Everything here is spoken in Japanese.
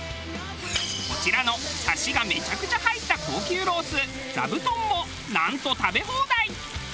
こちらのサシがめちゃくちゃ入った高級ロースざぶとんもなんと食べ放題！